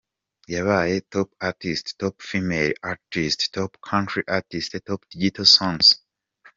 yabaye Top Artist, Top Female Artist, Top County Artist, Top Digital Songs.